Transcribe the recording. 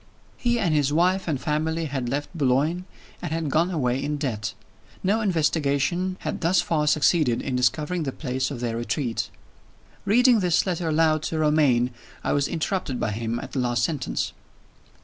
He and his wife and family had left Boulogne, and had gone away in debt. No investigation had thus far succeeded in discovering the place of their retreat. Reading this letter aloud to Romayne, I was interrupted by him at the last sentence.